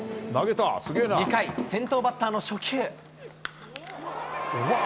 ２回先頭バッターの初球。